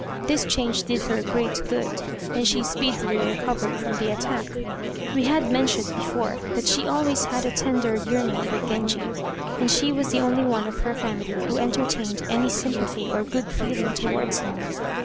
This change did her great good, and she speedily recovered from the attack. We had mentioned before that she always had a tender yearning for Genji, and she was the only one of her family who entertained any sympathy or good feeling towards him.